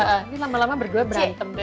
ini lama lama berdua berantem